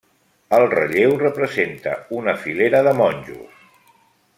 El relleu representa una filera de monjos.